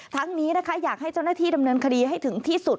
ทั้งนี้นะคะอยากให้เจ้าหน้าที่ดำเนินคดีให้ถึงที่สุด